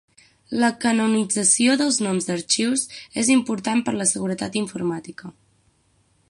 La canonització dels noms d'arxius és important per la seguretat informàtica.